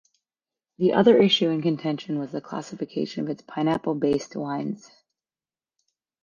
The other issue in contention was the classification of its pineapple based wines.